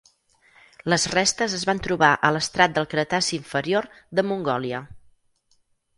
Les restes es van trobar a l'estrat del Cretaci inferior de Mongòlia.